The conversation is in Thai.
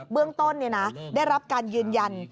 เบื้องต้นนี้นะได้รับการยืนยัน